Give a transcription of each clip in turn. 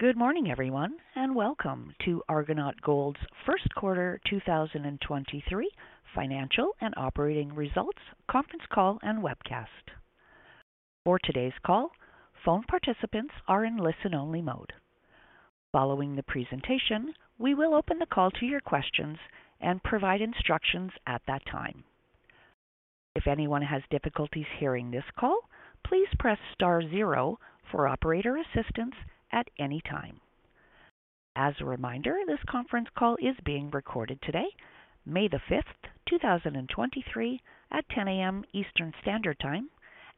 Good morning, everyone, welcome to Argonaut Gold's Q1 2023 financial and operating results conference call and webcast. For today's call, phone participants are in listen-only mode. Following the presentation, we will open the call to your questions and provide instructions at that time. If anyone has difficulties hearing this call, please press * 0 for operator assistance at any time. As a reminder, this conference call is being recorded today, May 5, 2023 at 10:00 A.M. Eastern Standard Time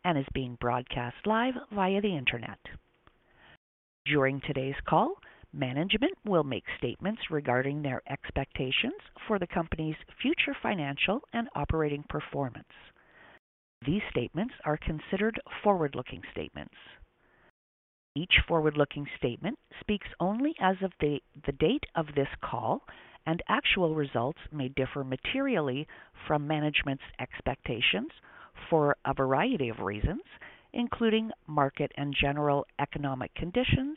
and is being broadcast live via the Internet. During today's call, management will make statements regarding their expectations for the company's future financial and operating performance. These statements are considered forward-looking statements. Each forward-looking statement speaks only as of the date of this call. Actual results may differ materially from management's expectations for a variety of reasons, including Marcet and general economic conditions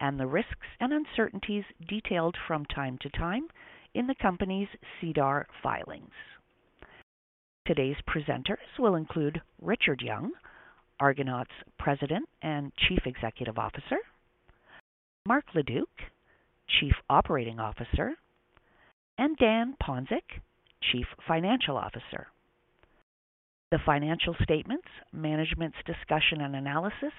and the risks and uncertainties detailed from time to time in the company's SEDAR filings. Today's presenters will include Richard Young, Argonaut's President and Chief Executive Officer, Marc Leduc, Chief Operating Officer, and Dave Ponczoch, Chief Financial Officer. The financial statements, management's discussion and analysis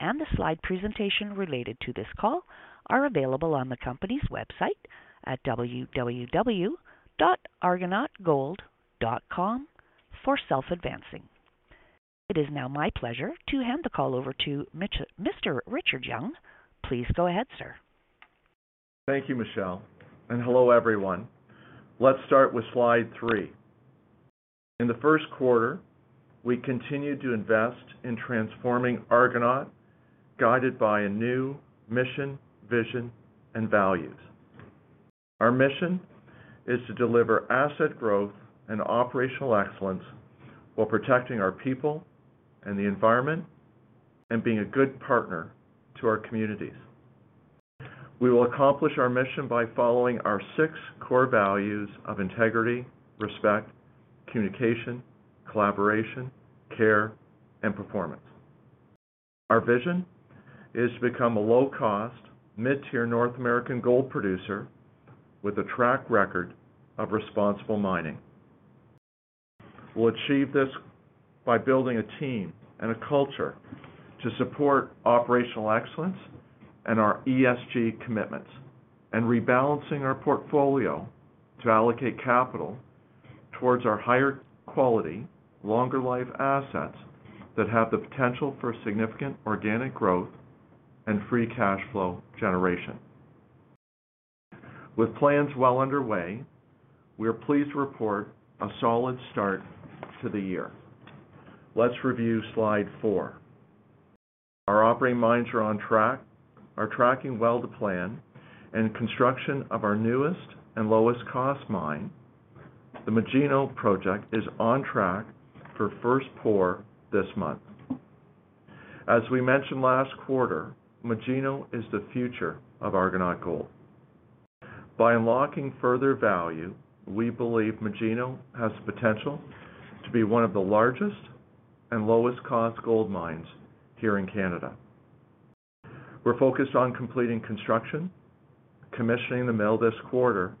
and the slide presentation related to this call are available on the company's website at www.argonautgold.com for self-advancing. It is now my pleasure to hand the call over to Mr. Richard Young. Please go ahead, sir. Thank you, Michelle, and hello, everyone. Let's start with slide 3. In the Q1, we continued to invest in transforming Argonaut, guided by a new mission, vision, and values. Our mission is to deliver asset growth and operational excellence while protecting our people and the environment and being a good partner to our communities. We will accomplish our mission by following our 6 core values of integrity, respect, communication, collaboration, care, and performance. Our vision is to become a low-cost, mid-tier North American gold producer with a track record of responsible mining. We'll achieve this by building a team and a culture to support operational excellence and our ESG commitments and rebalancing our portfolio to allocate capital towards our higher quality, longer life assets that have the potential for significant organic growth and free cash flow generation. With plans well underway, we are pleased to report a solid start to the year. Let's review slide 4. Our operating mines are tracking well to plan, and construction of our newest and lowest cost mine, the Magino Project, is on track for first pour this month. As we mentioned last quarter, Magino is the future of Argonaut Gold. By unlocking further value, we believe Magino has the potential to be one of the largest and lowest cost gold mines here in Canada. We're focused on completing construction, commissioning the mill this quarter,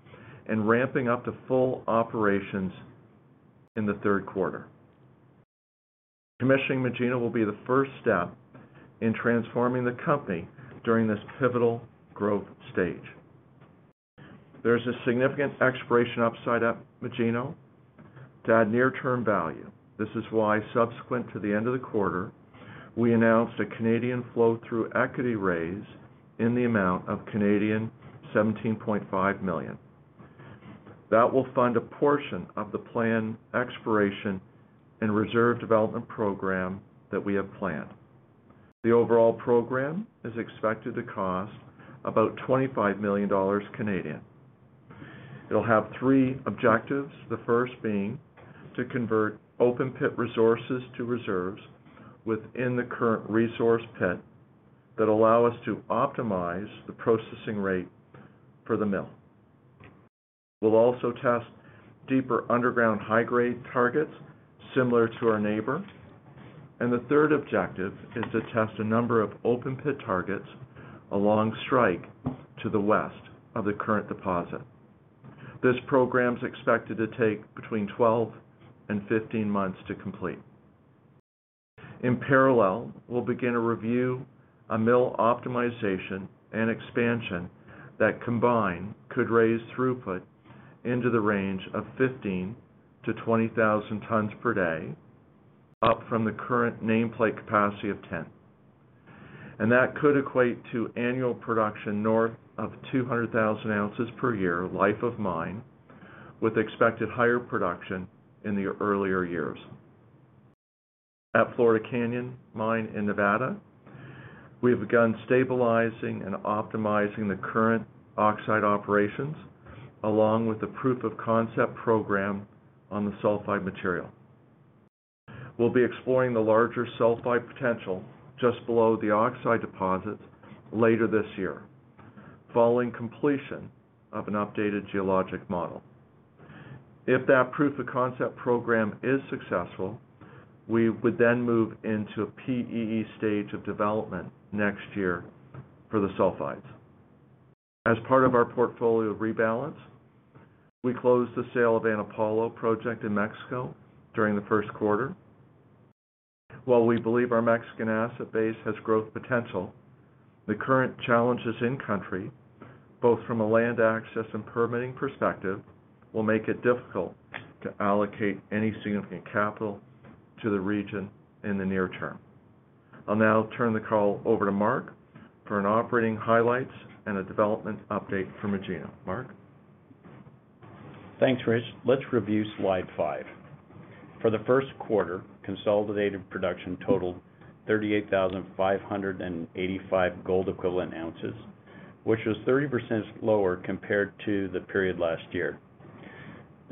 and ramping up to full operations in the Q3. Commissioning Magino will be the first step in transforming the company during this pivotal growth stage. There's a significant exploration upside at Magino to add near-term value. This is why subsequent to the end of the quarter, we announced a Canadian flow-through equity raise in the amount of 17.5 million Canadian dollars. That will fund a portion of the planned exploration and reserve development program that we have planned. The overall program is expected to cost about 25 million Canadian dollars. It'll have three objectives, the first being to convert open pit resources to reserves within the current resource pit that allow us to optimize the processing rate for the mill. We'll also test deeper underground high-grade targets similar to our neighbor. The third objective is to test a number of open pit targets along strike to the west of the current deposit. This program is expected to take between 12 and 15 months to complete. In parallel, we'll begin a review, a mill optimization and expansion that combined could raise throughput into the range of 15,000-20,000 tons per day, up from the current nameplate capacity of 10. That could equate to annual production north of 200,000 ounces per year life of mine, with expected higher production in the earlier years. At Florida Canyon Mine in Nevada, we have begun stabilizing and optimizing the current oxide operations along with the proof of concept program on the sulfide material. We'll be exploring the larger sulfide potential just below the oxide deposit later this year, following completion of an updated geologic model. If that proof of concept program is successful, we would then move into a PEA stage of development next year for the sulfides. As part of our portfolio rebalance, we closed the sale of Ana Paula project in Mexico during the Q1. While we believe our Mexican asset base has growth potential, the current challenges in country, both from a land access and permitting perspective, will make it difficult to allocate any significant capital to the region in the near term. I'll now turn the call over to Marc for an operating highlights and a development update from Magino. Marc? Thanks, Rich. Let's review slide 5. For the Q1, consolidated production totaled 38,585 gold equivalent ounces, which was 30% lower compared to the period last year.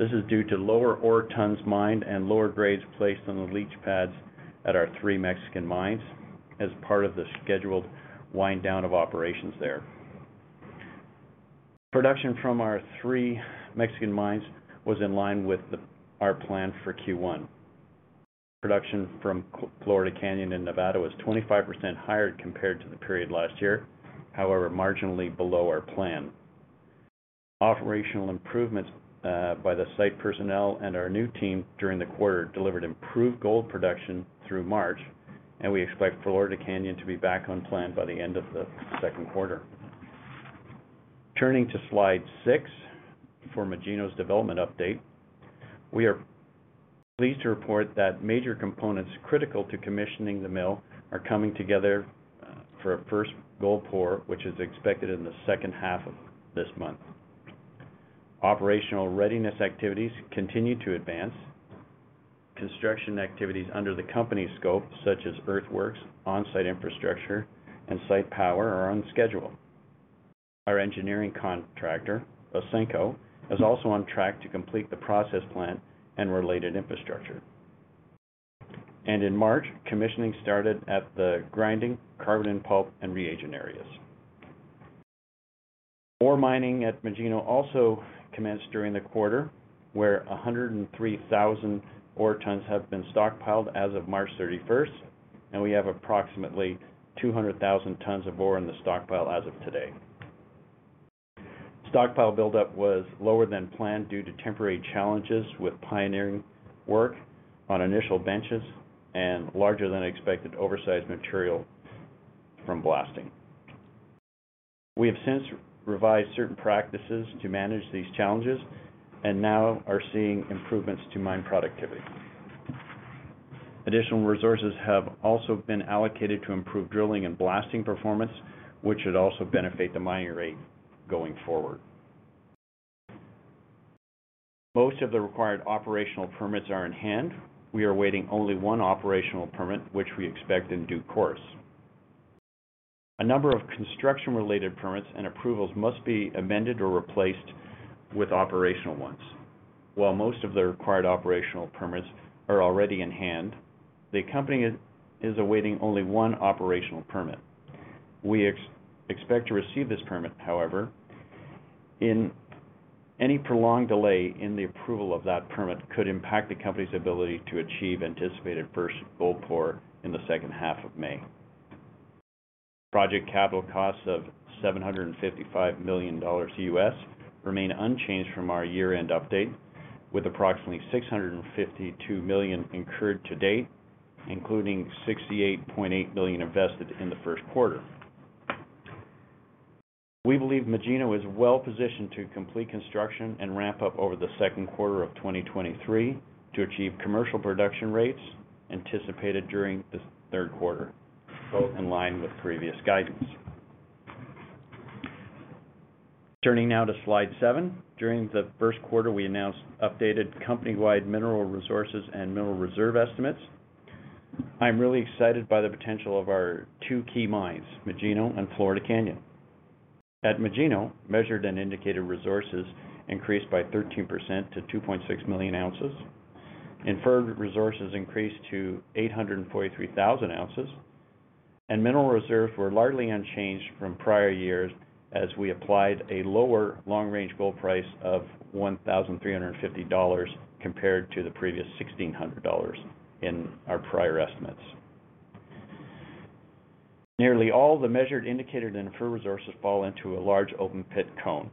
This is due to lower ore tons mined and lower grades placed on the leach pads at our three Mexican mines as part of the scheduled wind down of operations there. Production from our three Mexican mines was in line with our plan for Q1. Production from Florida Canyon in Nevada was 25% higher compared to the period last year, however, marginally below our plan. Operational improvements by the site personnel and our new team during the quarter delivered improved gold production through March, and we expect Florida Canyon to be back on plan by the end of the Q2. Turning to slide 6 for Magino's development update. We are pleased to report that major components critical to commissioning the mill are coming together for a first gold pour, which is expected in the second half of this month. Operational readiness activities continue to advance. Construction activities under the company's scope, such as earthworks, on-site infrastructure, and site power, are on schedule. Our engineering contractor, Ausenco, is also on track to complete the process plant and related infrastructure. In March, commissioning started at the grinding, carbon in pulp, and reagent areas. Ore mining at Magino also commenced during the quarter, where 103,000 ore tons have been stockpiled as of March 31st, and we have approximately 200,000 tons of ore in the stockpile as of today. Stockpile buildup was lower than planned due to temporary challenges with pioneering work on initial benches and larger than expected oversized material from blasting. We have since revised certain practices to manage these challenges and now are seeing improvements to mine productivity. Additional resources have also been allocated to improve drilling and blasting performance, which should also benefit the mining rate going forward. Most of the required operational permits are in hand. We are awaiting only one operational permit, which we expect in due course. A number of construction-related permits and approvals must be amended or replaced with operational ones. While most of the required operational permits are already in hand, the company is awaiting only one operational permit. We expect to receive this permit, however. Any prolonged delay in the approval of that permit could impact the company's ability to achieve anticipated first gold pour in the second half of May. Project capital costs of $755 million remain unchanged from our year-end update, with approximately $652 million incurred to date, including $68.8 million invested in the Q1. We believe Magino is well positioned to complete construction and ramp up over the Q2 of 2023 to achieve commercial production rates anticipated during the Q3, both in line with previous guidance. Turning now to slide 7. During the Q1, we announced updated company-wide mineral resources and mineral reserve estimates. I'm really excited by the potential of our two key mines, Magino and Florida Canyon. At Magino, measured and indicated resources increased by 13% to 2.6 million ounces. Inferred resources increased to 843,000 ounces. Mineral reserves were largely unchanged from prior years as we applied a lower long-range gold price of $1,350 compared to the previous $1,600 in our prior estimates. Nearly all the measured, indicated, and inferred resources fall into a large open pit cone.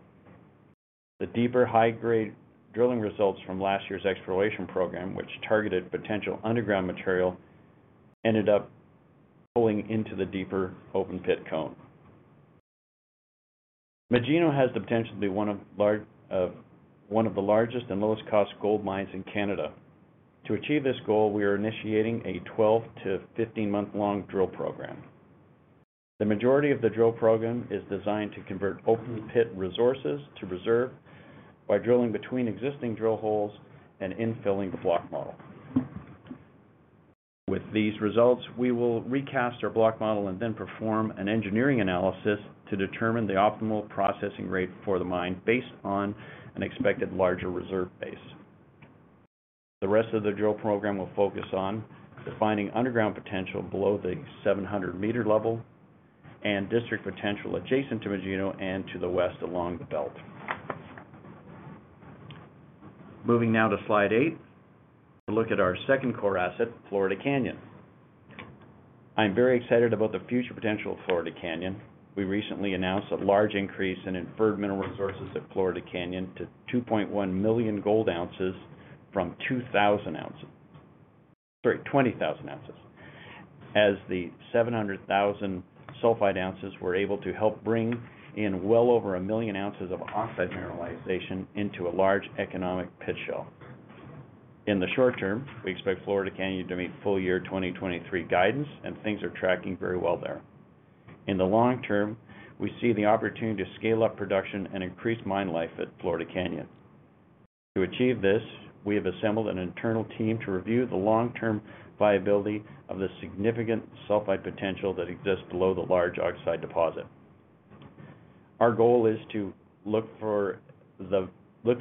The deeper high-grade drilling results from last year's exploration program, which targeted potential underground material, ended up pulling into the deeper open pit cone. Magino has the potential to be one of the largest and lowest-cost gold mines in Canada. To achieve this goal, we are initiating a 12 to 15 month-long drill program. The majority of the drill program is designed to convert open pit resources to reserve by drilling between existing drill holes and infilling the block model. With these results, we will recast our block model and then perform an engineering analysis to determine the optimal processing rate for the mine based on an expected larger reserve base. The rest of the drill program will focus on defining underground potential below the 700 meter level and district potential adjacent to Magino and to the west along the belt. Moving now to slide 8 to look at our second core asset, Florida Canyon. I'm very excited about the future potential of Florida Canyon. We recently announced a large increase in inferred mineral resources at Florida Canyon to 2.1 million gold ounces from 2,000 ounces. Sorry, 20,000 ounces. As the 700,000 sulfide ounces were able to help bring in well over 1 million ounces of oxide mineralization into a large economic pit shell. In the short term, we expect Florida Canyon to meet full year 2023 guidance, and things are tracking very well there. In the long term, we see the opportunity to scale up production and increase mine life at Florida Canyon. To achieve this, we have assembled an internal team to review the long-term viability of the significant sulfide potential that exists below the large oxide deposit. Our goal is to look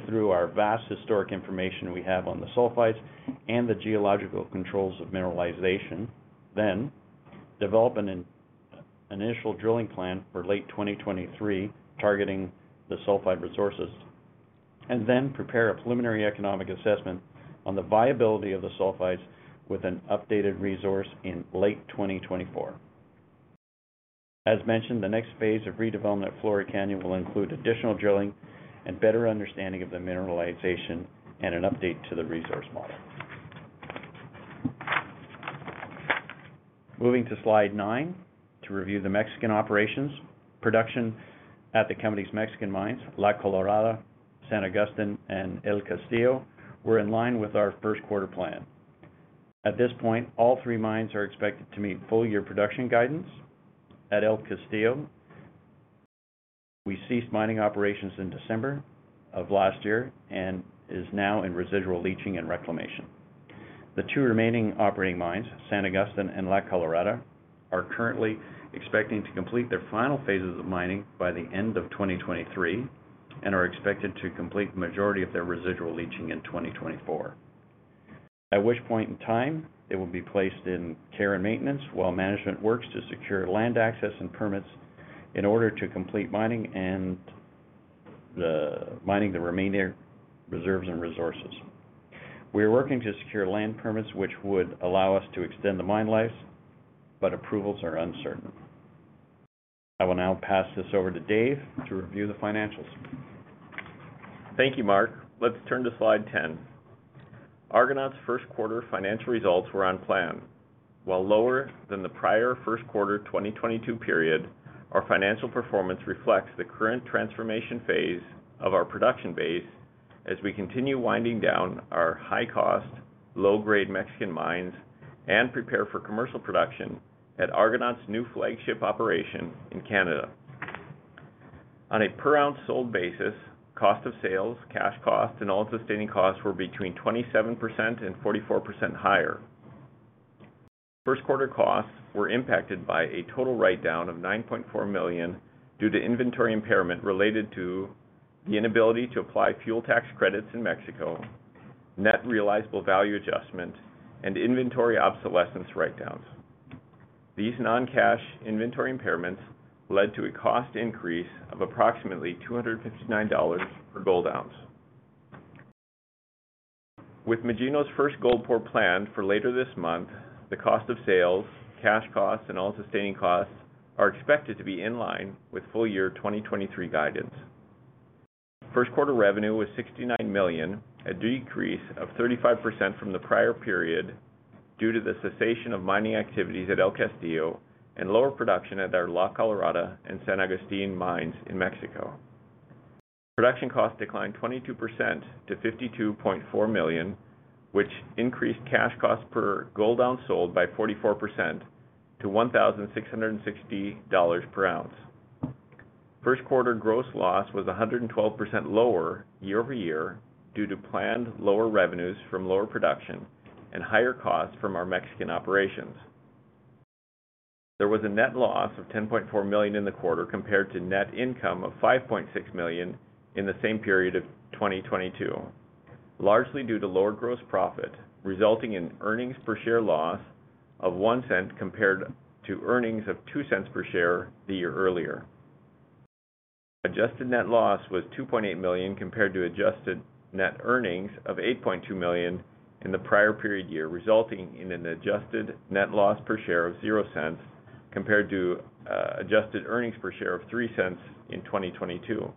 through our vast historic information we have on the sulfides and the geological controls of mineralization, develop an initial drilling plan for late 2023 targeting the sulfide resources, prepare a preliminary economic assessment on the viability of the sulfides with an updated resource in late 2024. As mentioned, the next phase of redevelopment at Florida Canyon will include additional drilling and better understanding of the mineralization and an update to the resource model. Moving to slide 9 to review the Mexican operations. Production at the company's Mexican mines, La Colorada, San Agustín, and El Castillo, were in line with our Q1 plan. At this point, all three mines are expected to meet full year production guidance. At El Castillo, we ceased mining operations in December of last year and is now in residual leaching and reclamation. The two remaining operating mines, San Agustín and La Colorada, are currently expecting to complete their final phases of mining by the end of 2023, and are expected to complete the majority of their residual leaching in 2024. At which point in time, they will be placed in care and maintenance while management works to secure land access and permits in order to complete mining the remaining reserves and resources. We are working to secure land permits which would allow us to extend the mine lives. Approvals are uncertain. I will now pass this over to Dave to review the financials. Thank you, Marc. Let's turn to slide 10. Argonaut's Q1 financial results were on plan. While lower than the prior Q1 2022 period, our financial performance reflects the current transformation phase of our production base as we continue winding down our high-cost, low-grade Mexican mines and prepare for commercial production at Argonaut's new flagship operation in Canada. On a per-ounce sold basis, cost of sales, cash costs, and all-in sustaining costs were between 27% and 44% higher. Q1 costs were impacted by a total write-down of $9.4 million due to inventory impairment related to the inability to apply fuel tax credits in Mexico, net realizable value adjustment, and inventory obsolescence write-downs. These non-cash inventory impairments led to a cost increase of approximately $259 per gold ounce. With Magino's first gold pour planned for later this month, the cost of sales, cash costs, and all-in sustaining costs are expected to be in line with full year 2023 guidance. Q1 revenue was $69 million, a decrease of 35% from the prior period due to the cessation of mining activities at El Castillo and lower production at our La Colorada and San Agustín mines in Mexico. Production costs declined 22% to $52.4 million, which increased cash costs per gold ounce sold by 44% to $1,660 per ounce. Q1 gross loss was 112% lower year-over-year due to planned lower revenues from lower production and higher costs from our Mexican operations. There was a net loss of $10.4 million in the quarter compared to net income of $5.6 million in the same period of 2022, largely due to lower gross profit, resulting in earnings per share loss of $0.01 compared to earnings of $0.02 per share the year earlier. Adjusted net loss was $2.8 million compared to adjusted net earnings of $8.2 million in the prior period year, resulting in an adjusted net loss per share of $0.00 compared to adjusted earnings per share of $0.03 in 2022.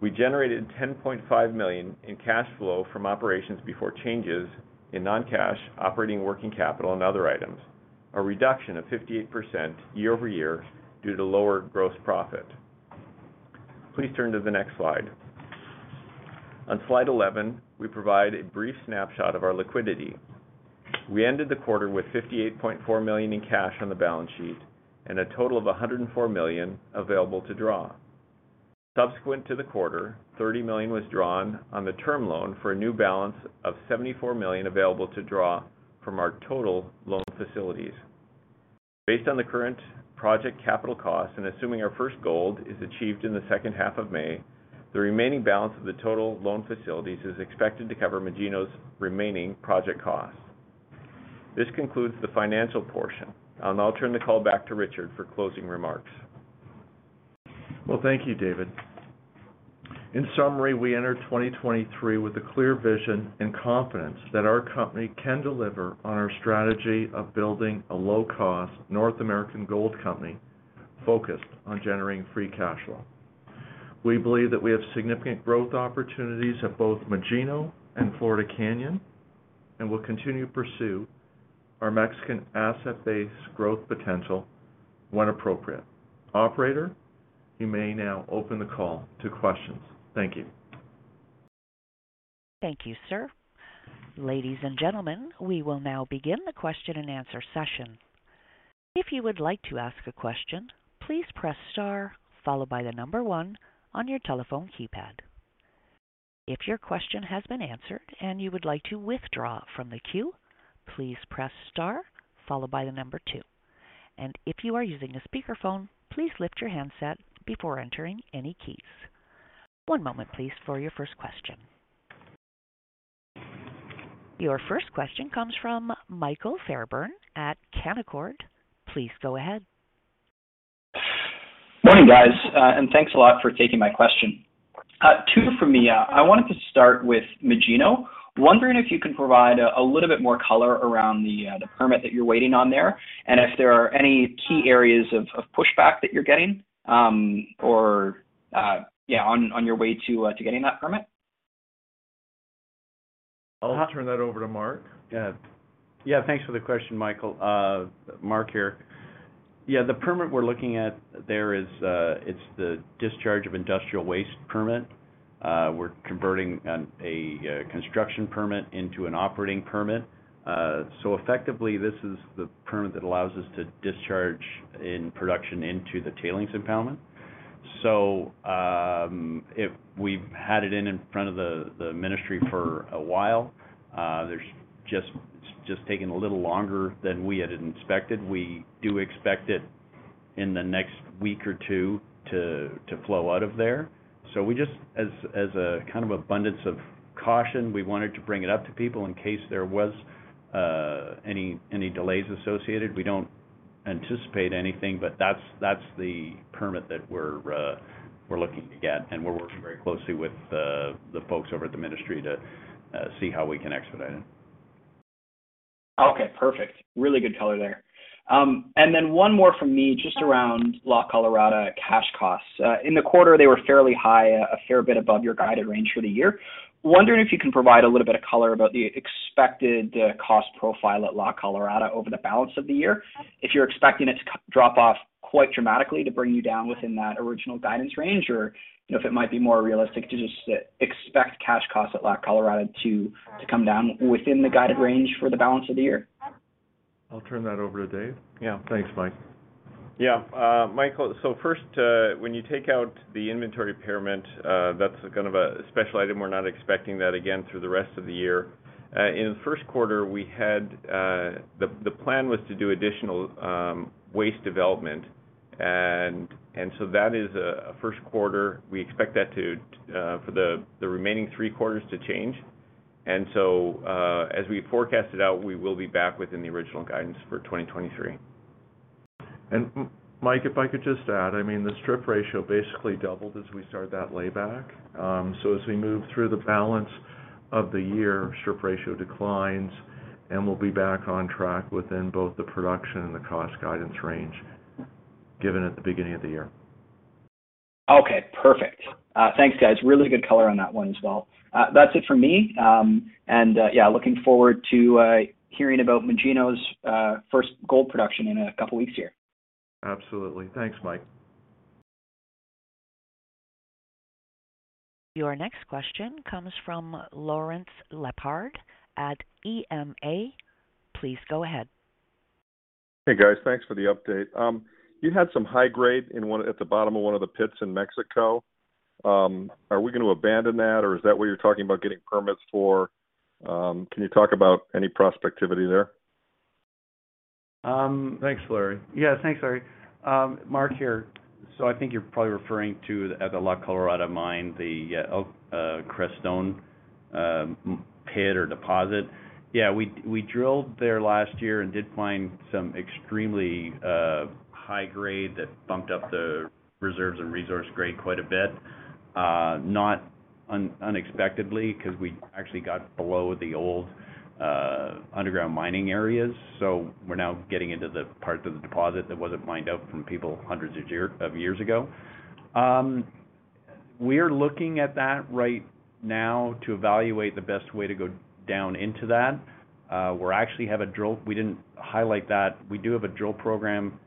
We generated $10.5 million in cash flow from operations before changes in non-cash operating working capital and other items, a reduction of 58% year-over-year due to lower gross profit. Please turn to the next slide. On slide 11, we provide a brief snapshot of our liquidity. We ended the quarter with $58.4 million in cash on the balance sheet and a total of $104 million available to draw. Subsequent to the quarter, $30 million was drawn on the term loan for a new balance of $74 million available to draw from our total loan facilities. Based on the current project capital costs and assuming our first gold is achieved in the second half of May, the remaining balance of the total loan facilities is expected to cover Magino's remaining project costs. This concludes the financial portion. I'll now turn the call back to Richard for closing reMarcs. Well, thank you, David. In summary, we entered 2023 with a clear vision and confidence that our company can deliver on our strategy of building a low-cost North American gold company focused on generating free cash flow. We believe that we have significant growth opportunities at both Magino and Florida Canyon and will continue to pursue our Mexican asset base growth potential when appropriate. Operator, you may now open the call to questions. Thank you. Thank you, sir. Ladies and gentlemen, we will now begin the question-and-answer session. If you would like to ask a question, please press * followed by 1 on your telephone keypad. If your question has been answered and you would like to withdraw from the queue, please press * followed by 2. If you are using a speakerphone, please lift your handset before entering any keys. 1 moment, please, for your first question. Your first question comes from Michael Fairbairn at Canaccord. Please go ahead. Morning, guys, and thanks a lot for taking my question. Two from me. I wanted to start with Magino. Wondering if you can provide a little bit more color around the permit that you're waiting on there, and if there are any key areas of pushback that you're getting, or yeah, on your way to getting that permit? I'll turn that over to Marc. Yeah. Yeah, thanks for the question, Michael. Marc here. Yeah, the permit we're looking at there is, it's the discharge of industrial waste permit. We're converting a construction permit into an operating permit. Effectively, this is the permit that allows us to discharge in production into the tailings impoundment. If we've had it in front of the ministry for a while, there's just taking a little longer than we had expected. We do expect it in the next week or two to flow out of there. We just, as a kind of abundance of caution, we wanted to bring it up to people in case there was any delays associated. We don't anticipate anything. That's the permit that we're looking to get. We're working very closely with the folks over at the ministry to see how we can expedite it. Okay, perfect. Really good color there. One more from me just around La Colorada cash costs. In the quarter, they were fairly high, a fair bit above your guided range for the year. Wondering if you can provide a little bit of color about the expected cost profile at La Colorada over the balance of the year. If you're expecting it to drop off quite dramatically to bring you down within that original guidance range or, you know, if it might be more realistic to just expect cash costs at La Colorada to come down within the guided range for the balance of the year. I'll turn that over to Dave. Yeah. Thanks, Mike. Yeah. Michael, first, when you take out the inventory payment, that's kind of a special item. We're not expecting that again through the rest of the year. In the Q1, we had the plan was to do additional waste development. That is a Q1. We expect that to for the remaining three quarters to change. As we forecast it out, we will be back within the original guidance for 2023. Mike, if I could just add, I mean, the strip ratio basically doubled as we started that layback. As we move through the balance of the year, strip ratio declines, we'll be back on track within both the production and the cost guidance range given at the beginning of the year. Okay, perfect. Thanks, guys. Really good color on that one as well. That's it for me. Yeah, looking forward to hearing about Magino's first gold production in a couple weeks here. Absolutely. Thanks, Mike. Your next question comes from Lawrence Lepard at EMA. Please go ahead. Hey, guys. Thanks for the update. You had some high grade at the bottom of one of the pits in Mexico. Are we going to abandon that, or is that what you're talking about getting permits for? Can you talk about any prospectivity there? thanks, Larry. Yeah, thanks, Larry. Marc here. I think you're probably referring to at the La Colorada mine, the Crestone pit or deposit. We drilled there last year and did find some extremely high grade that bumped up the reserves and resource grade quite a bit. Not un-unexpectedly, 'cause we actually got below the old underground mining areas. We're now getting into the parts of the deposit that wasn't mined out from people hundreds of years ago. We're looking at that right now to evaluate the best way to go down into that. We're actually have a drill. We didn't highlight that. We do have a drill program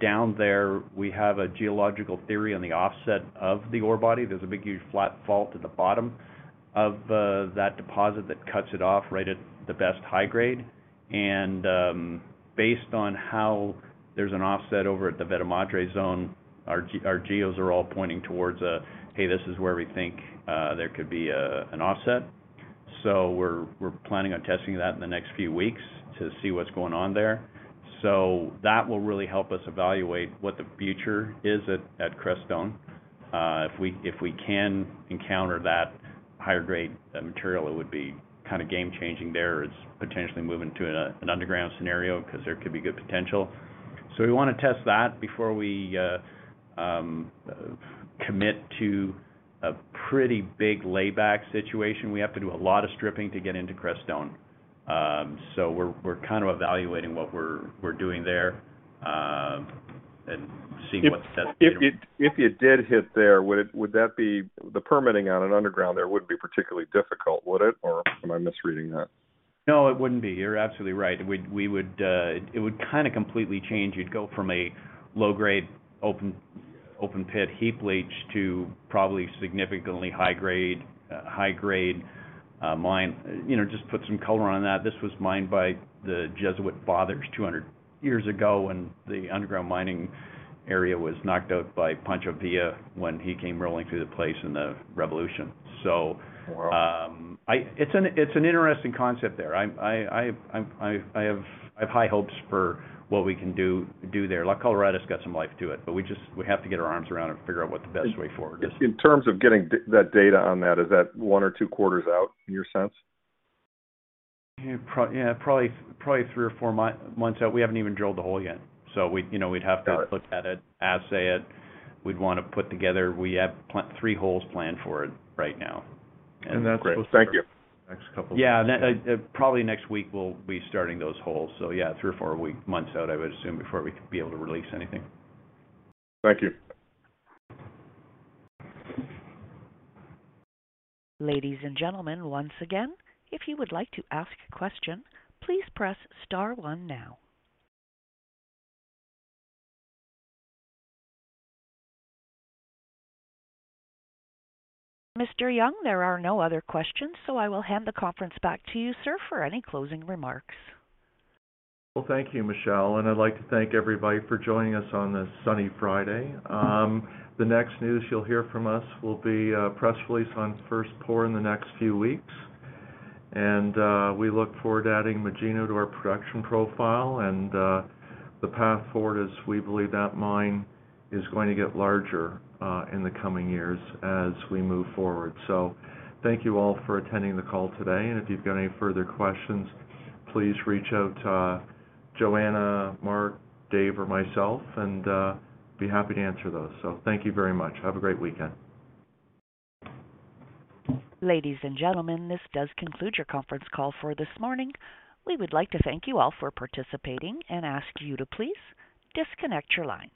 down there. We have a geological theory on the offset of the ore body. There's a big, huge, flat fault at the bottom of that deposit that cuts it off right at the best high grade. Based on how there's an offset over at the Veta Madre zone, our geos are all pointing towards a, "Hey, this is where we think there could be an offset." We're planning on testing that in the next few weeks to see what's going on there. That will really help us evaluate what the future is at El Creston. If we can encounter that higher grade material, it would be kind of game changing there as potentially moving to an underground scenario because there could be good potential. We wanna test that before we commit to a pretty big lay back situation. We have to do a lot of stripping to get into Crestone. We're kind of evaluating what we're doing there, seeing what's best to do. If it did hit there, would that be. The permitting on an underground there would be particularly difficult, would it? Am I misreading that? No, it wouldn't be. You're absolutely right. We would kinda completely change. You'd go from a low grade open pit heap leach to probably significantly high grade mine. You know, just put some color on that. This was mined by the Jesuit fathers 200 years ago, the underground mining area was knocked out by Pancho Villa when he came rolling through the place in the revolution. Wow. It's an interesting concept there. I have high hopes for what we can do there. La Colorada's got some life to it, but we have to get our arms around it and figure out what the best way forward is. In terms of getting that data on that, is that one or two quarters out, in your sense? Yeah, probably three or four months out. We haven't even drilled the hole yet. We'd, you know, we'd have to look at it, assay it. We'd wanna put together. We have three holes planned for it right now. Thank you. Next couple. Yeah. Probably next week we'll be starting those holes. Yeah, three or four months out, I would assume, before we could be able to release anything. Thank you. Ladies and gentlemen, once again, if you would like to ask a question, please press * 1 now. Mr. Young, there are no other questions. I will hand the conference back to you, sir, for any closing remarks. Well, thank you, Michelle, and I'd like to thank everybody for joining us on this sunny Friday. The next news you'll hear from us will be a press release on first pour in the next few weeks. We look forward to adding Magino to our production profile. The path forward is we believe that mine is going to get larger in the coming years as we move forward. Thank you all for attending the call today. If you've got any further questions, please reach out to Joanna, Marc, Dave, or myself, be happy to answer those. Thank you very much. Have a great weekend. Ladies and gentlemen, this does conclude your conference call for this morning. We would like to thank you all for participating and ask you to please disconnect your lines.